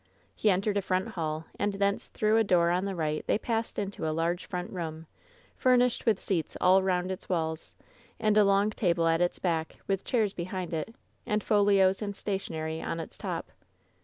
He entered a front hall, and thence through a door on the right they passed into a large front i^oom, furnished with seats all around its walls, and a long table at its back, with chairs behind it, and folios and sta tionery on its top.